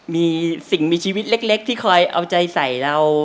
มีสิ่งมีชีวิตเล็กที่คอยเอาใจใส่เรา